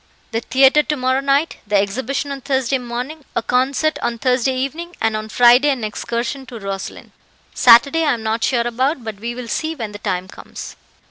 The theatre to morrow night, the exhibition on Thursday morning, a concert on Thursday evening, and on Friday an excursion to Roslin; Saturday I am not sure about, but we will see when the time comes."